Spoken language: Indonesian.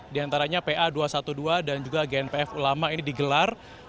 di antaranya pa dua ratus dua belas dan juga gnpf ulama ini digelar